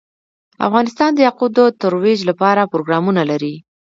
افغانستان د یاقوت د ترویج لپاره پروګرامونه لري.